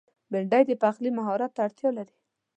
بېنډۍ د پخلي مهارت ته اړتیا لري